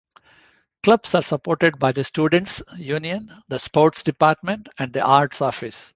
Clubs are supported by the students' union, the sports department and the arts office.